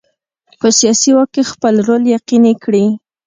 په سیاسي واک کې خپل رول یقیني کړي.